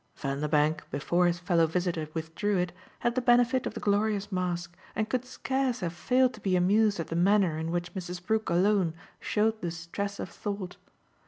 Vanderbank, before his fellow visitor withdrew it, had the benefit of the glorious mask and could scarce have failed to be amused at the manner in which Mrs. Brook alone showed the stress of thought.